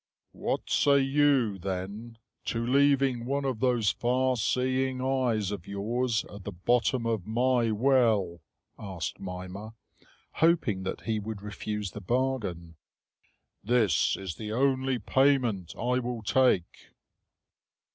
"What say you, then, to leaving one of those far seeing eyes of yours at the bottom of my well?" asked Mimer, hoping that he would refuse the bargain. "This is the only payment I will take."